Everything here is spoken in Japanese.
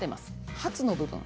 ハツの部分。